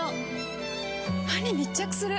歯に密着する！